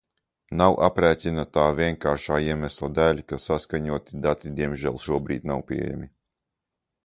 Nav aprēķina tā vienkāršā iemesla dēļ, ka saskaņoti dati diemžēl šobrīd nav pieejami.